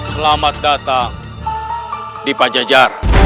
selamat datang di pajajar